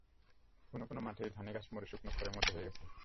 কোনো কোনো মাঠে ধানের গাছ মরে শুকনো খড়ের মতো হয়ে গেছে।